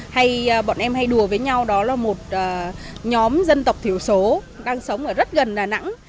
hay bọn em hay đùa với nhau đó là một nhóm dân tộc thiểu số đang sống ở rất gần đà nẵng